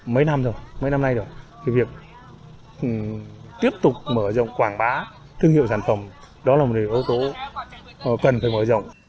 mấy năm rồi mấy năm nay rồi cái việc tiếp tục mở rộng quảng bá thương hiệu sản phẩm đó là một cái ưu tố cần phải mở rộng